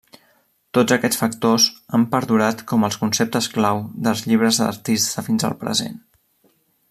Tots aquests factors han perdurat com els conceptes clau dels llibres d'artista fins al present.